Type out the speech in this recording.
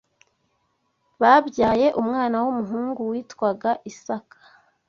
babyaye umwana w’umuhungu witwaga Isaka